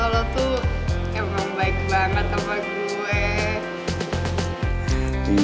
kalau tuh emang baik banget sama gue